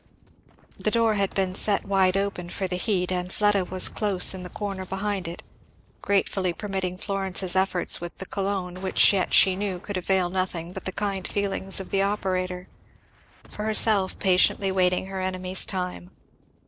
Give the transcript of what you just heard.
The door had been set wide open for the heat, and Fleda was close in the corner behind it; gratefully permitting Florence's efforts with the cologne, which yet she knew could avail nothing but the kind feelings of the operator; for herself patiently waiting her enemy's time.